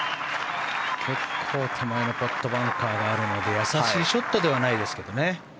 結構手前のポッドバンカーがあるので易しいショットではないですけどね。